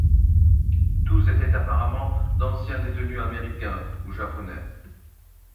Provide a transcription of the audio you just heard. Tous étaient apparemment d'anciens détenus américains ou japonais.